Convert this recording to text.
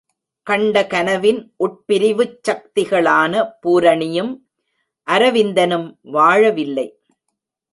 கண்ட கனவின் உட்பிரிவுச் சக்திகளான பூரணியும் அரவிந்தனும் வாழவில்லை!